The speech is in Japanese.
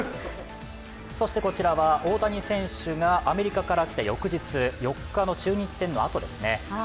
そしてこちらは大谷選手がアメリカから来た翌日、４日の中日戦のあとですね。